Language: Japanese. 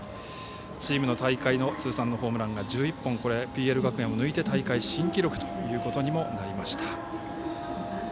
チームの大会の通算のホームランが１１本、これはＰＬ学園を抜いて大会新記録ということにもなりました。